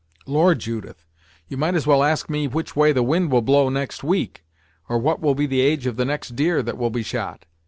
"Lord, Judith, you might as well ask me which way the wind will blow next week, or what will be the age of the next deer that will be shot!